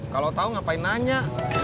kalau tau ngapain nanya